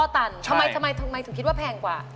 แล้วน่าจะมีมูลค่าที่สูงกว่า